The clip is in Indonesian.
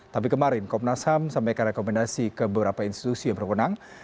tapi kemarin komnas ham sampaikan rekomendasi ke beberapa institusi yang berwenang